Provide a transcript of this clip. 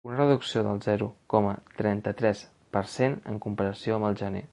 Una reducció del zero coma trenta-tres per cent en comparació amb el gener.